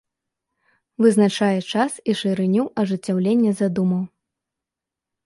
Вызначае час і шырыню ажыццяўлення задумаў.